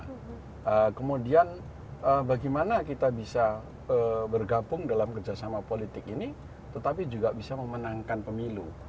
nah kemudian bagaimana kita bisa bergabung dalam kerjasama politik ini tetapi juga bisa memenangkan pemilu